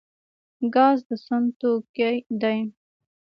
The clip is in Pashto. ګاز د سون توکی دی